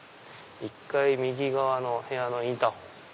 「１階右側の部屋のインターホン」。